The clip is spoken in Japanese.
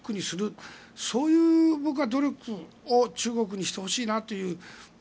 僕はそういう努力を中国にしてほしいなという。